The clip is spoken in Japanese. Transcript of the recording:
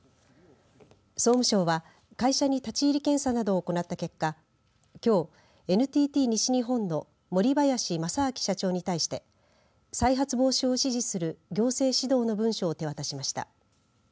総務省は、会社に立ち入り検査などを行った結果きょう、ＮＴＴ西日本の森林正彰社長に対して再発防止を指示する行政指導の文書を手渡しました。